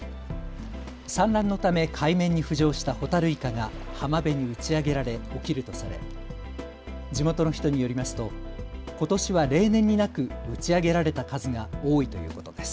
産卵のため海面に浮上したホタルイカが浜辺に打ち上げられ起きるとされ地元の人によりますとことしは例年になく打ち上げられた数が多いということです。